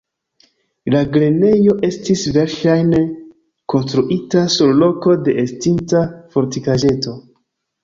La grenejo estis verŝajne konstruita sur loko de estinta fortikaĵeto.